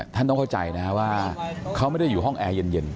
ท่านต้องเข้าใจนะครับว่าเขาไม่ได้อยู่ห้องแอร์เย็น